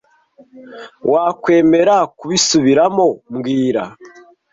Wakwemera kubisubiramo mbwira